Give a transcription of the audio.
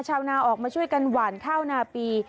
ชาวนาออกมาช่วยกันหวานข้าวนาปี